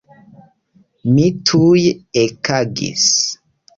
Mi tuj ekagis.